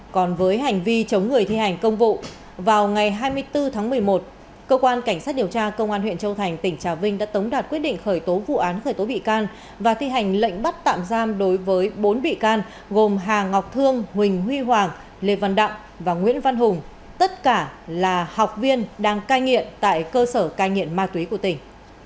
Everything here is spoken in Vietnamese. còn với hành vi chống người thi hành công vụ vào ngày hai mươi bốn tháng một mươi một cơ quan cảnh sát điều tra công an huyện châu thành tỉnh trà vinh đã tống đạt quyết định khởi tố vụ án khởi tố bị can và thi hành lệnh bắt tạm giam đối với bốn bị can gồm hà ngọc thương huỳnh huy hoàng lê văn đặng và nguyễn văn hùng tất cả là học viên đang cai nghiện tại cơ sở cai nghiện ma túy của tỉnh